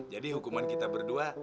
jadi hukuman kita berdua